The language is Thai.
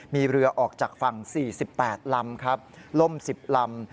มีเรือออกจากฝั่ง๔๘ลำครับล่ม๑๐ลำ